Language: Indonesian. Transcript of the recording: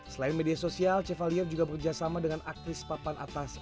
selain media sosial cevalier juga bekerjasama dengan aktris papan atas